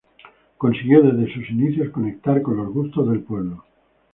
Consiguió desde sus inicios conectar con los gustos del pueblo.